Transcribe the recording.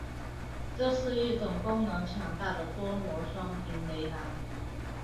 这是一种功能强大的多模双频雷达。